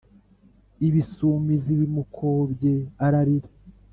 Ibisumizi bimukobye ararira